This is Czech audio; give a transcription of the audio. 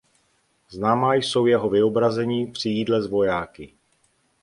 Známá jsou jeho vyobrazení při jídle s vojáky.